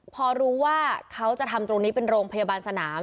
พอรู้ว่าเขาจะทำตรงนี้เป็นโรงพยาบาลสนาม